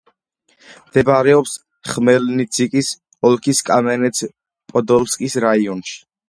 მდებარეობს ხმელნიცკის ოლქის კამენეც-პოდოლსკის რაიონში.